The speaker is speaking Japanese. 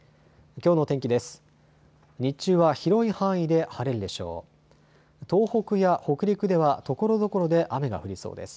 きょうの天気です。